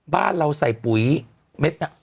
บ้านเราใส่ปุ๋ยเม็ดน่ะ